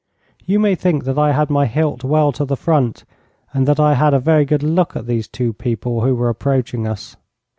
You may think that I had my hilt well to the front, and that I had a very good look at these two people who were approaching us.